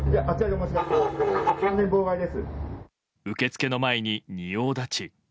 受付の前に仁王立ち。